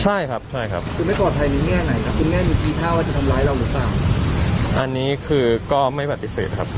ใช่ครับใช่ครับคือไม่ปลอดภัยในแง่ไหนครับคุณแม่ดูทีท่าว่าจะทำร้ายเราหรือเปล่าอันนี้คือก็ไม่ปฏิเสธนะครับ